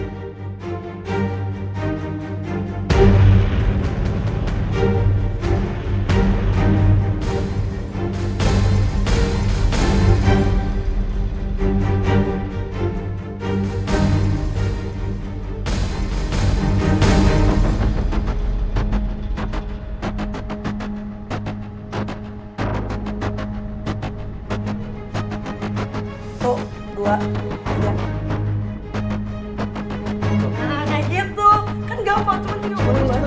gak gitu kan gak apa apa